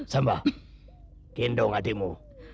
samba gendong adikmu